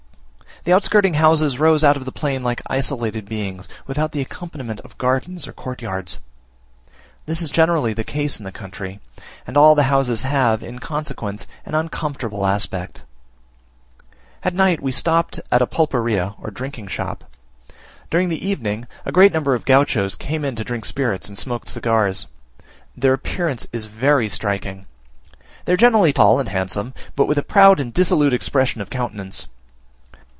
The outskirting houses rose out of the plain like isolated beings, without the accompaniment of gardens or courtyards. This is generally the case in the country, and all the houses have, in consequence an uncomfortable aspect. At night we stopped at a pulperia, or drinking shop. During the evening a great number of Gauchos came in to drink spirits and smoke cigars: their appearance is very striking; they are generally tall and handsome, but with a proud and dissolute expression of countenance.